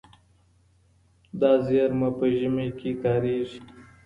دا زېرمه په ژمي کې کارېږي.